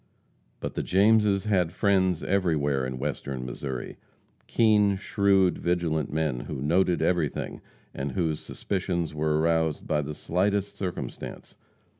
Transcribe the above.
But the Jameses had friends everywhere in Western Missouri keen, shrewd, vigilant men, who noted everything, and whose suspicions were aroused by the slightest circumstance.